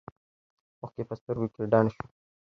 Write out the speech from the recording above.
اوښکې په سترګو کې ډنډ شوې.